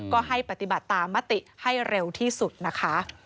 ก็ให้ปฏิบัติตามมติให้เร็วที่สุดนะคะ